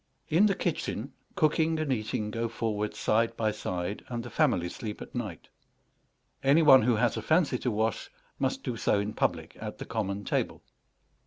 In the kitchen cooking and eating go forward side by side, and the family sleep at night. Any one who has a fancy to wash must do so in public at the common table.